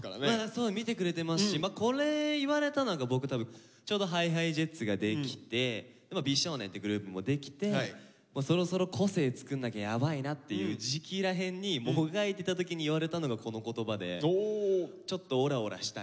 そう見てくれてますしこれ言われたのが僕多分ちょうどＨｉＨｉＪｅｔｓができて美少年ってグループもできてそろそろ個性作んなきゃやばいなっていう時期ら辺にもがいてた時に言われたのがこの言葉で。